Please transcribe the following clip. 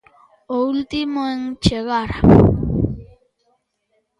O último en chegar.